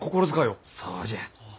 そうじゃ。